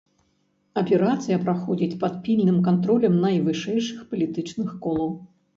Аперацыя праходзіць пад пільным кантролем найвышэйшых палітычных колаў.